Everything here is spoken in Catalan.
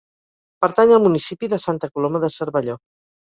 Pertany al municipi de Santa Coloma de Cervelló.